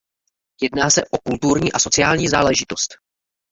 Jedná se o kulturní a sociální záležitost.